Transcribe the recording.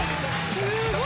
すごい。